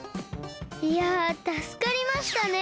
いやたすかりましたね。